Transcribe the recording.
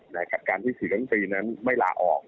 ในขัดการพิธี๔ตั้ง๓นั้นไม่ลาออก